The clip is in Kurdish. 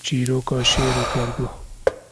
Çîroka Şêr û Kerguh